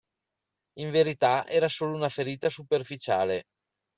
In verità era solo una ferita superficiale.